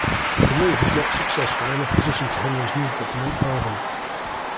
The move was not successful and opposition to Henry's new government hardened.